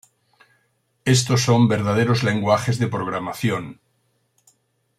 Estos son verdaderos lenguajes de programación.